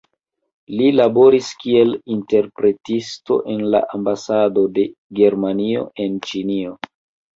Li laboris kiel interpretisto en la ambasado de Germanio en Ĉinio.